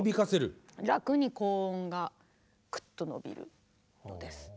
楽に高音がクッと伸びるんです。